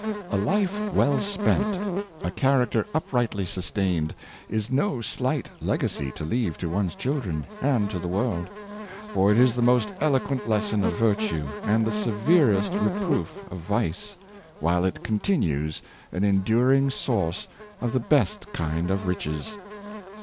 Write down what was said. A life well spent, a character uprightly sustained, is no slight legacy to leave to one's children, and to the world; for it is the most eloquent lesson of virtue and the severest reproof of vice, while it continues an en during source of the best kind of riches.